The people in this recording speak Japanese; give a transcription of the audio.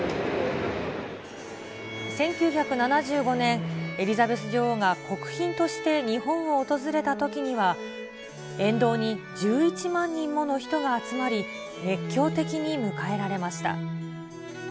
１９７５年、エリザベス女王が国賓として日本を訪れたときには、沿道に１１万人もの人が集まり、熱狂的に迎えられました。